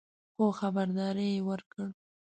خو خبرداری یې ورکړ